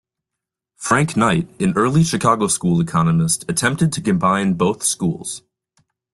Frank Knight, an early Chicago school economist attempted to combine both schools.